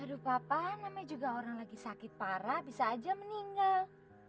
aduh kapan namanya juga orang lagi sakit parah bisa aja meninggal